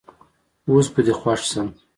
اوس به دي خوښ سم